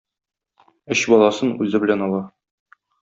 Өч баласын үзе белән ала.